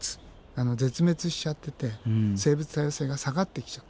あの絶滅しちゃってて生物多様性が下がってきちゃってる。